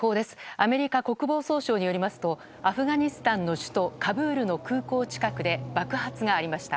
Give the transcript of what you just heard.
アメリカ国防総省によりますとアフガニスタンの首都カブールの空港近くで爆発がありました。